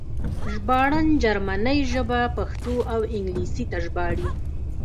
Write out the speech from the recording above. ژباړن جرمنۍ ژبه پښتو او انګلیسي ته ژباړي